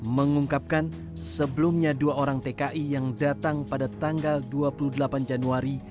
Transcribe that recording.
mengungkapkan sebelumnya dua orang tki yang datang pada tanggal dua puluh delapan januari